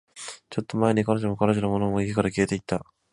ちょっと前に、彼女も、彼女のものも、家から消えていった